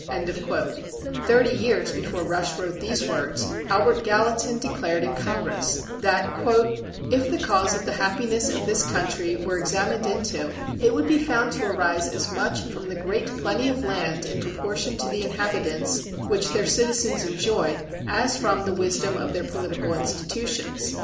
"[317:1] Thirty years before Rush wrote these words Albert Gallatin declared in Congress that "if the cause of the happiness of this country were examined into, it would be found to arise as much from the great plenty of land in proportion to the inhabitants which their citizens enjoyed as from the wisdom of their political institutions."